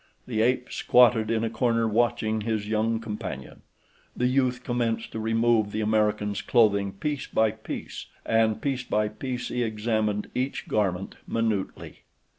The ape squatted in a corner watching his young companion. The youth commenced to remove the American's clothing piece by piece, and, piece by piece, he examined each garment minutely.